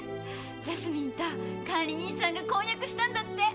ジャスミンと管理人さんが婚約したんだって！